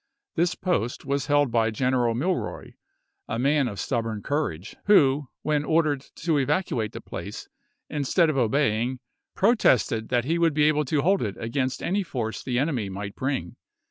This post was held by General Milroy, a man of stubborn courage, who, when ordered to evacuate the place, instead of obeying,1 protested that he was able to hold it l " Winchester and Martinsburg 1863. W. R. Vol.